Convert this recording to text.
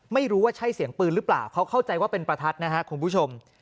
ไม่รู้ว่าใช่เสียงปืนหรือเปล่าเขาเข้าใจว่าเป็นประทัดนะครับคุณผู้ชม